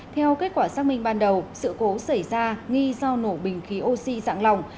theo kết quả xác minh ban đầu sự cố xảy ra nghi do nổ bình khí oxy sẵn lòng